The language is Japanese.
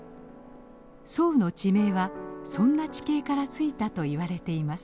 左右の地名はそんな地形からついたといわれています。